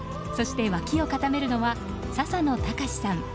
そして脇を固めるのは笹野高史さん